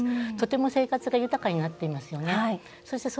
とても生活が豊かになっています。